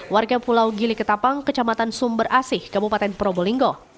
warga pulau gili ketapang kecamatan sumber asih kabupaten probolinggo